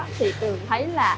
thì tường thấy là